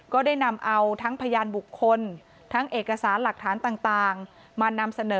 ก็ได้นำเอาทั้งพยานบุคคลทั้งเอกสารหลักฐานต่างมานำเสนอ